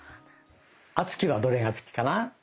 敦貴はどれが好きかな？